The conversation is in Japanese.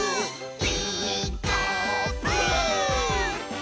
「ピーカーブ！」